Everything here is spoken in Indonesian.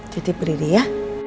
cuti perliri ya